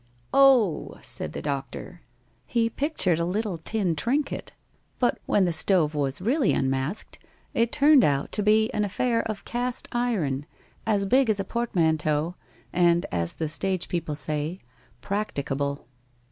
"Oh!" said the doctor. He pictured a little tin trinket. But when the stove was really unmasked, it turned out to be an affair of cast iron, as big as a portmanteau, and, as the stage people say, practicable.